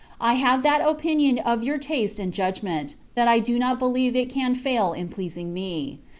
I have that opinion of your taste and judgment, that I do not believe it can fail in pleasing me.